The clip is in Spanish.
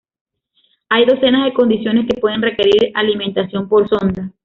Hay docenas de condiciones que pueden requerir alimentación por sonda.